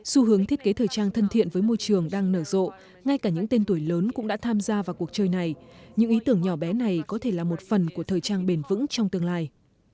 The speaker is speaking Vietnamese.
xu hướng thiết kế thời trang thân thiện với môi trường đang nở rộ ngay cả những tên tuổi lớn cũng đã tham gia vào cuộc chơi này những ý tưởng nhỏ bé này có thể là một phần của thời trang bền vững trong tương lai